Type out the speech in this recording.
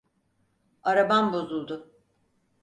Arabam bozuldu.